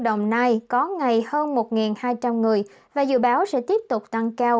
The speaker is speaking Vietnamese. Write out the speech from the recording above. đồng nai có ngày hơn một hai trăm linh người và dự báo sẽ tiếp tục tăng cao